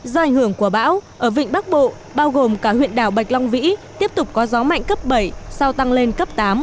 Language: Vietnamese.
do ảnh hưởng của bão ở vịnh bắc bộ bao gồm cả huyện đảo bạch long vĩ tiếp tục có gió mạnh cấp bảy sau tăng lên cấp tám